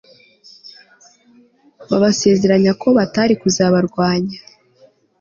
babasezeranya ko batari kuzabarwanya